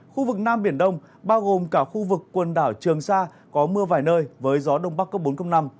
khu vực nam biển đông bao gồm cả khu vực quần đảo trường sa có mưa vài nơi với gió đông bắc cấp bốn năm